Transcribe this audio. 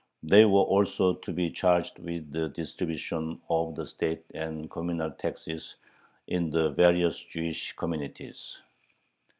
They were also to be charged with the distribution of the state and communal taxes in the various Jewish communities.